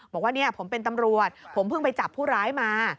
บอกว่าเนี่ยผมเป็นตำรวจผมเพิ่งไปจับผู้ร้ายมา